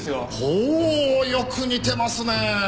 ほおよく似てますね！